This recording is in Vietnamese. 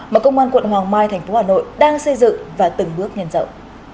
mà công an quận hoàng mai thành phố hà nội đang xây dựng và từng bước nhân rộng